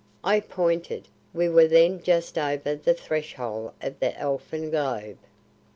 I pointed we were then just over the threshold of the elfin globe.